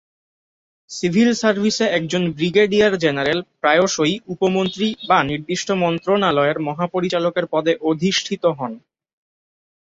Civil সার্ভিসে একজন brigadier general প্রায়শই উপ-মন্ত্রী বা নির্দিষ্ট মন্ত্রনালয়ের মহাপরিচালকের পদে অধিষ্ঠিত হন।